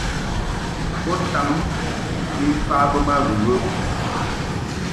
Bo tam ni mfa be ma ghəghəʼ.